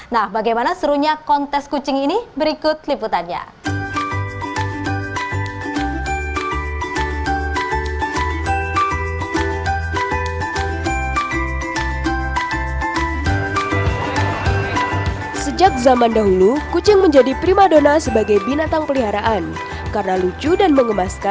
nah bagaimana serunya kontes kucing ini berikut liputannya